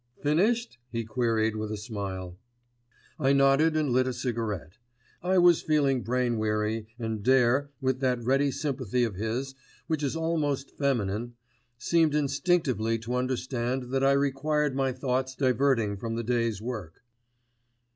"Finished?" he queried with a smile. I nodded and lit a cigarette. I was feeling brain weary and Dare, with that ready sympathy of his which is almost feminine, seemed instinctively to understand that I required my thoughts diverting from the day's work.